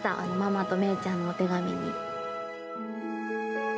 ママとめいちゃんのお手紙に。